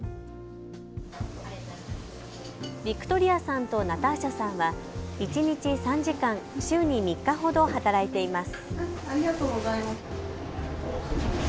ビクトリアさんとナターシャさんは一日３時間週に３日ほど働いています。